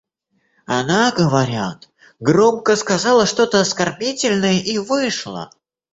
Она, говорят, громко сказала что-то оскорбительное и вышла.